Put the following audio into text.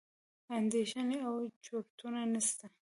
اندېښنې او چورتونه نسته.